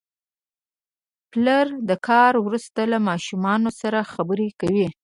پلر د کار وروسته له ماشومانو سره خبرې کوي